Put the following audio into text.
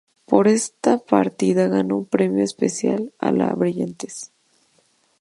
Por esta partida ganó un Premio especial a la brillantez.